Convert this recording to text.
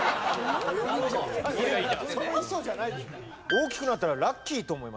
大きくなったらラッキーって思いません？